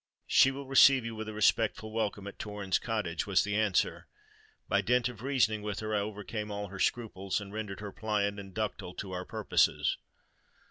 "She will receive you with a respectful welcome at Torrens Cottage," was the answer. "By dint of reasoning with her, I overcame all her scruples, and rendered her pliant and ductile to our purposes."